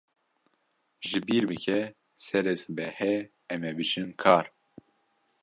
Ji bîr bike, serê sibehê em ê biçin kar.